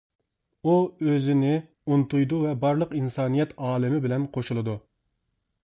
ئۇ ئۆزىنى ئۇنتۇيدۇ ۋە بارلىق ئىنسانىيەت ئالىمى بىلەن قوشۇلىدۇ.